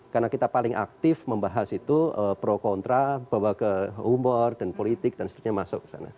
karena kita paling aktif membahas itu pro kontra bahwa ke humor dan politik dan seterusnya masuk ke sana